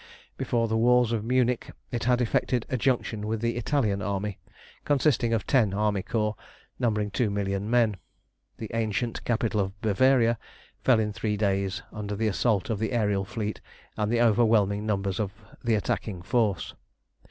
Before the walls of Munich it had effected a junction with the Italian army, consisting of ten army corps, numbering two million men. The ancient capital of Bavaria fell in three days under the assault of the aërial fleet and the overwhelming numbers of the attacking force.